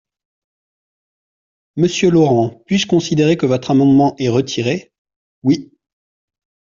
Monsieur Laurent, puis-je considérer que votre amendement est retiré ? Oui.